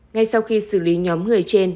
ngay sau khi xử lý nhóm người trên